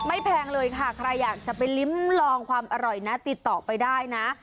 แพงเลยค่ะใครอยากจะไปลิ้มลองความอร่อยนะติดต่อไปได้นะ